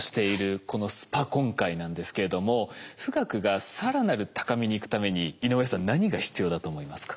このスパコン界なんですけれども富岳が更なる高みに行くために井上さん何が必要だと思いますか？